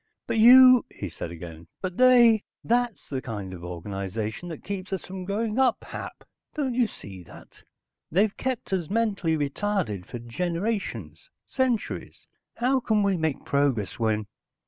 "But you...." he said again. "But they.... That's the kind of organization that keeps us from growing up, Hap. Don't you see that? They've kept us mentally retarded for generations, centuries. How can we make progress when...."